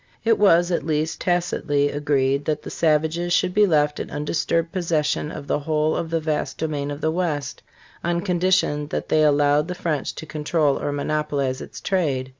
It was, at least tacitly, agreed that the savages should be left in undisturbed possession of the whole of the vast domain of the West on condition that they allowed the French to control or monopolize its trade.